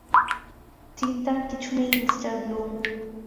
চিন্তার কিছু নেই, মিঃ ব্লুম।